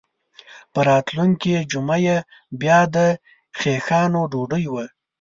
په راتلونکې جمعه یې بیا د خیښانو ډوډۍ وه.